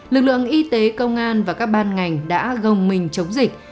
lực lượng y tế công an và các ban ngành đã gồng mình chống dịch